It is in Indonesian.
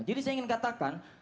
jadi saya ingin katakan